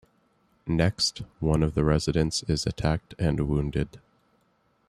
Next, one of the residents is attacked and wounded.